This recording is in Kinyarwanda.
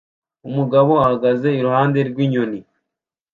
Umugabo uhagaze iruhande rw'inyoni